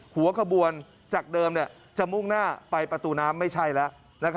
หัวขบวนจากเดิมจะมุ่งหน้าไปประตูน้ำไม่ใช่แล้ว